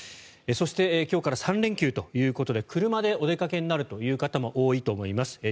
そして、今日から３連休ということで車でお出かけになる方も多いと思います。